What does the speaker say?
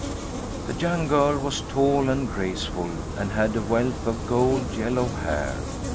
The young girl was tall and graceful and had a wealth of gold yellow hair.